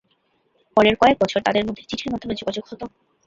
পরের কয়েক বছর তাদের মধ্যে চিঠির মাধ্যমে যোগাযোগ হত।